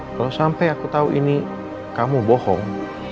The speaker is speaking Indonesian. kalau sampai aku tahu ini kamu bohong